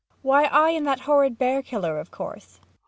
Why, I and that horrid bear killer, of course.